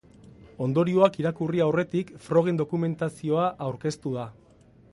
Ondorioak irakurri aurretik, frogen dokumentazioa aurkeztu da.